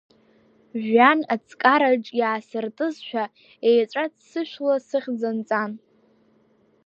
Жәҩан аҵкараҿ иаасыртызшәа, еҵәа ццышәла сыхьӡ анҵан.